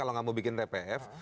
kalau nggak mau bikin tpf